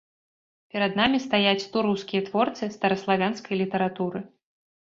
Перад намі стаяць тураўскія творцы стараславянскай літаратуры.